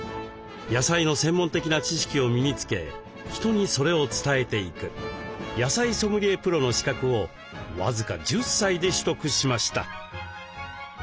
野菜の専門的な知識を身につけ人にそれを伝えていく野菜ソムリエプロの資格を僅か１０歳で取得しました。